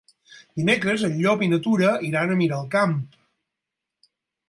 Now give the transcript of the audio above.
Dimecres en Llop i na Tura iran a Miralcamp.